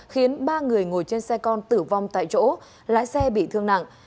khiến ba người ngồi trên xe con tử vong tại chỗ lái xe bị thương nặng